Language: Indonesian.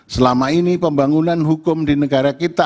selama ini pembangunan hukum di negara kita